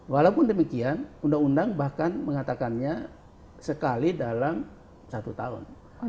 walaupun demikian undang undang bahkan mengatakannya sekali dalam satu tahun